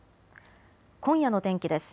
今夜の天気です。